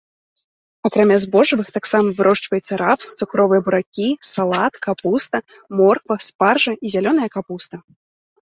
Акрамя збожжавых таксама вырошчваецца рапс, цукровыя буракі, салат, капуста, морква, спаржа і зялёная капуста.